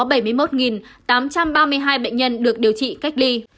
tám trăm ba mươi hai bệnh nhân được điều trị cách ly